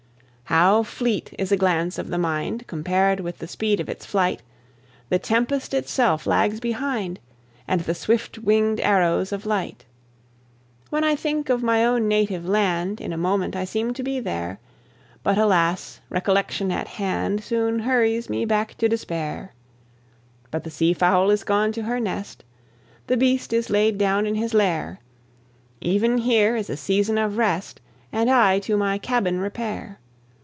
How fleet is a glance of the mind! Compared with the speed of its flight, The tempest itself lags behind, And the swift wingèd arrows of light. When I think of my own native land, In a moment I seem to be there; But alas! recollection at hand Soon hurries me back to despair. But the seafowl is gone to her nest, The beast is laid down in his lair, Even here is a season of rest, And I to my cabin repair.